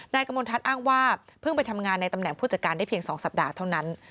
กมลทัศน์อ้างว่าเพิ่งไปทำงานในตำแหน่งผู้จัดการได้เพียง๒สัปดาห์เท่านั้น